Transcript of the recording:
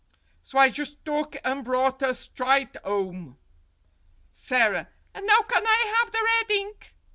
So I just took and brought 'er strite 'ome." Sara : And now can I have the red ink